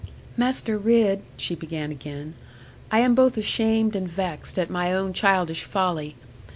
'Master Ridd,' she began again, 'I am both ashamed and vexed at my own childish folly.